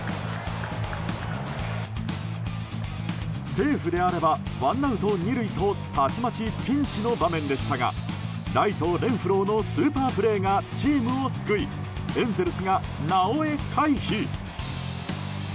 セーフであればワンアウト２塁とたちまちピンチの場面でしたがライト、レンフローのスーパープレーがチームを救いエンゼルスが「なおエ」回避！